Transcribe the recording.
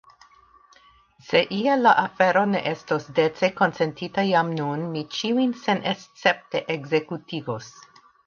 Se iel_ la afero ne estos dece konsentita jam nun, mi ĉiujn senescepte ekzekutigos.